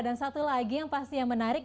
dan satu lagi yang pasti menarik